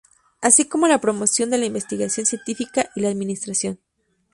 Así como la promoción de la investigación científica y la administración.